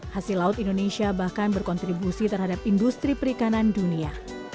hasil laut indonesia bahkan berkontribusi terhadap industri perikanan dunia